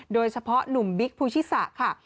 โดยเฉพาะหนุ่มบิ๊กภูชิสะค่ะ